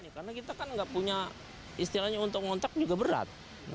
karena kita kan nggak punya istilahnya untuk ngontak juga berat